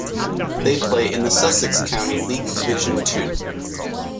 They play in the Sussex County League Division Two.